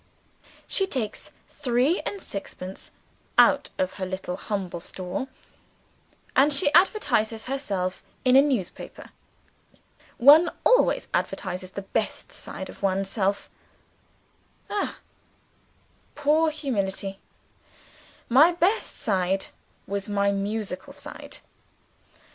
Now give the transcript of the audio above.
She takes three and sixpence out of her little humble store; and she advertises herself in a newspaper. One always advertises the best side of oneself. (Ah, poor humanity!) My best side was my musical side.